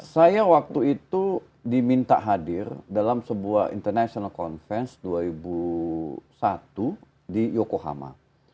saya waktu itu diminta hadir dalam sebuah international conference dua ribu satu di yokohama